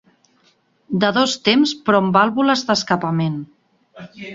De dos temps però amb vàlvules d'escapament.